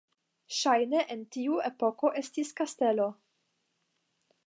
Ŝajne en tiu epoko estis kastelo.